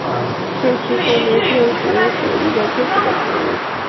团山并殖吸虫为并殖科并殖属的动物。